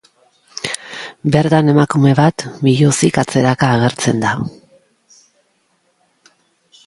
Bertan emakume bat biluzik atzeraka agertzen da.